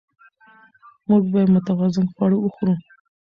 موږ باید متوازن خواړه وخورو